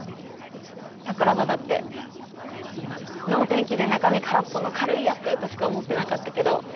桜庭だって能天気で中身空っぽの軽いやつとしか思ってなかったけど。